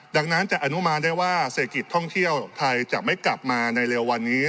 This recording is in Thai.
ดังนั้นจะอนุมานได้ว่าเศรษฐกิจท่องเที่ยวไทยจะไม่กลับมาในเร็ววันนี้